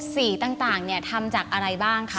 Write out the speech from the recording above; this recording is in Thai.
สีต่างทำจากอะไรบ้างครับ